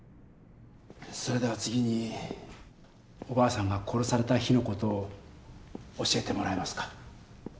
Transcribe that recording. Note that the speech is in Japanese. それでは次におばあさんが殺された日の事を教えてもらえますか？